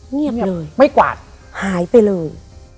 เงียบเลยหายไปเลย